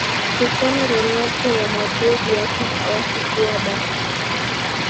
cristiano ronaldo wa madrid yake hawakufua dafu